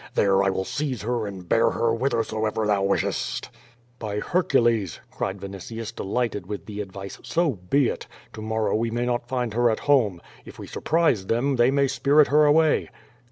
There I will seize her and bear her whithersoever thou wishest" By Hercules!" cried Vinitius, delighted with the advice, so be it. To morrow we may not find her at home. If we surprise them they may spirit her away."